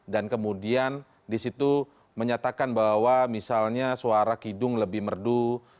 dan kemudian disitu menyatakan bahwa misalnya suara kidung lebih merdu